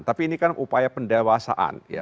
tapi ini kan upaya pendewasaan